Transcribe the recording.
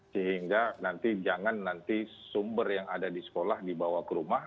sehingga nanti jangan nanti sumber yang ada di sekolah dibawa ke rumah